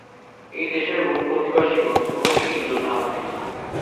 এই দেশের অধিবাসিগণ কোনদিনই যোদ্ধা নয়।